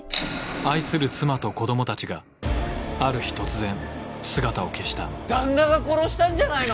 愛する妻と子供たちがある日突然姿を消した旦那が殺したんじゃないの？